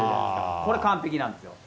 これ完璧なんですよ。